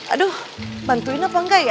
aduh bantuin apa enggak ya